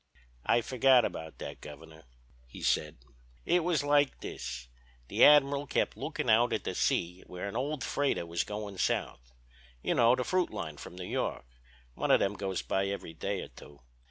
"'I forgot about that, Governor,' he said. 'It was like this: The admiral kept looking out at the sea where an old freighter was going South. You know, the fruit line from New York. One of them goes by every day or two.